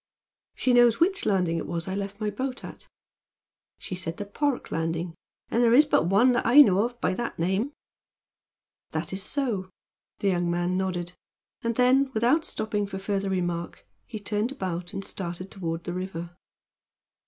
"She knows which landing it was that I left my boat at?" "She said the Park landing, and there is but one that I know of by that name." "That is so," the young man nodded, and then, without stopping for further remark, he turned about and started toward the river.